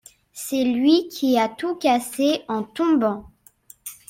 C’est lui qui a tout cassé en tombant.